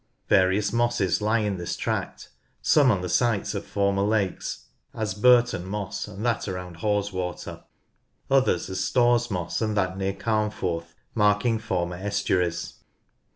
Various mosses lie in this tract, some on the sites of former lakes, as Burton Moss and that around Haweswater ; others, as Storr's Moss and that near Carnforth, marking former estuaries.